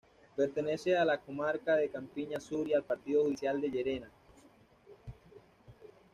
Pertenece a la comarca de Campiña Sur y al partido judicial de Llerena.